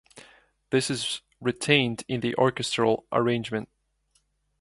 This is retained in the orchestral arrangement.